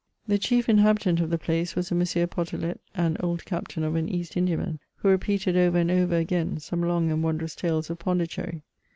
The chief inhabitant of the place was a M . Potelet, an old Captain of an East Indiaman, who repeated over and over again some long and wondrous tales of Pondicherry.